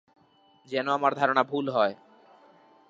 যেন আমার ধারণা ভুল হয়!